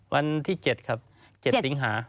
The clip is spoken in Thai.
วันที่๗ครับ๗สิงหา